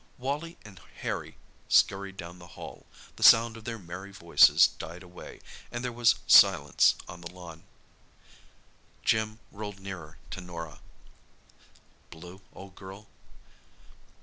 Wally and Harry scurried down the hail. The sound of their merry voices died away, and there was silence on the lawn. Jim rolled nearer to Norah. "Blue, old girl?"